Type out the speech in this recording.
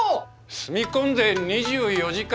住み込んで２４時間？